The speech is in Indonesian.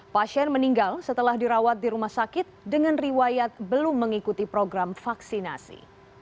pasien meninggal setelah dirawat di rumah sakit dengan riwayat belum mengikuti program vaksinasi